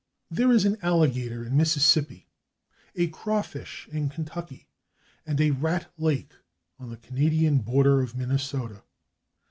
There is an /Alligator/ in Mississippi, a /Crawfish/ in Kentucky and a /Rat Lake/ on the Canadian border of Minnesota.